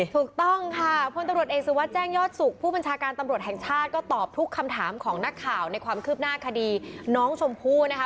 ถูกต้องค่ะพลตำรวจเอกสุวัสดิแจ้งยอดสุขผู้บัญชาการตำรวจแห่งชาติก็ตอบทุกคำถามของนักข่าวในความคืบหน้าคดีน้องชมพู่นะคะ